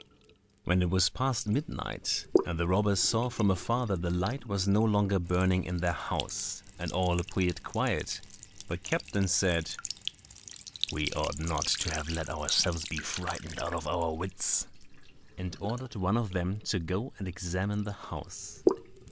When it was past midnight, and the robbers saw from afar that the light was no longer burning in their house, and all appeared quiet, the captain said, "We ought not to have let ourselves be frightened out of our wits;" and ordered one of them to go and examine the house.